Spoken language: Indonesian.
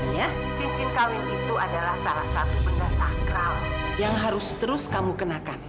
ya cincin kawin itu adalah salah satu benda sakral yang harus terus kamu kenakan